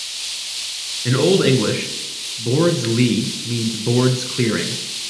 In Old English "Bord's leah" means 'Bord's clearing'.